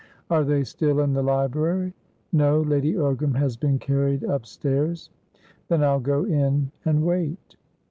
"Are they still in the library?" "No. Lady Ogram has been carried upstairs." "Then I'll go in and wait."